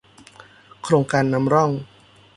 โครงการนำร่อง